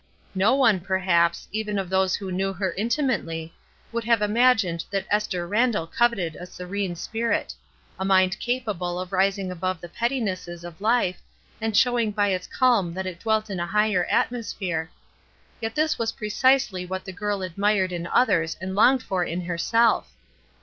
No one perhaps, even of those who knew her intimately, woiJd have imagined that Esther MODELS 115 Randall coveted a serene spirit; a mind capable of rising above the pettinesses of life, and showing by its calm that it dwelt in a higher atmosphere. Yet this was precisely what the girl admired in others and longed for in herself.